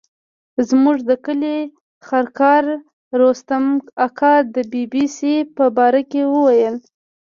زموږ د کلي خرکار رستم اکا د بي بي سي په باره کې ویل.